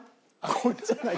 これじゃない？